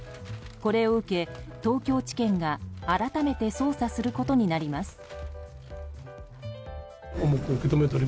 これを受け、東京地検が改めて捜査することになります。